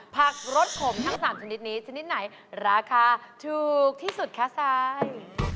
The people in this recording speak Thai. กรสขมทั้ง๓ชนิดนี้ชนิดไหนราคาถูกที่สุดคะซาย